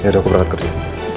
ya udah aku berangkat kerja